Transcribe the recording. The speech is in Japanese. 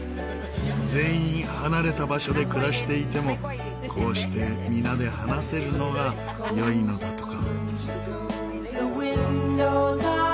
全員離れた場所で暮らしていてもこうして皆で話せるのが良いのだとか。